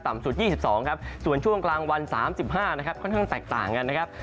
สุด๒๒ครับส่วนช่วงกลางวัน๓๕นะครับค่อนข้างแตกต่างกันนะครับ